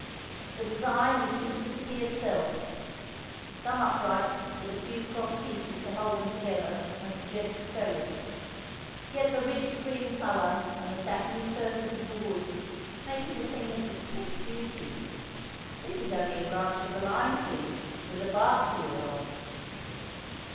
The design is simplicity itself, some uprights with a few cross pieces to hold them together and suggest a trellis; yet the rich cream colour and the satiny surface of the wood make it a thing of distinct beauty. This is only a branch of the lime tree, with the bark peeled off.